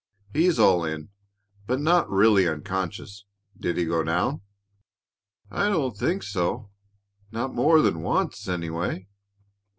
"He's all in, but not really unconscious. Did he go down?" "I don't think so. Not more than once, anyway."